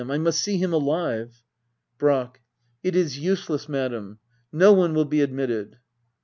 I must see him alive ! Brack. It is useless^ Madam. No one will be admitted.